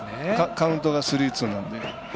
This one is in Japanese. カウントがスリーツーなんで。